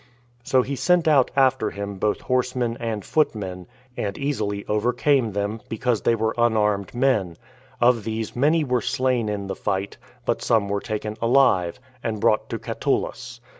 So he sent out after him both horsemen and footmen, and easily overcame them, because they were unarmed men; of these many were slain in the fight, but some were taken alive, and brought to Catullus.